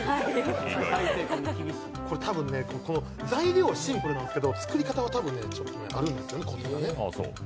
材料はシンプルなんですけど作り方があるんですよね。